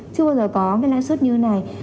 chưa bao giờ có cái lãi suất như này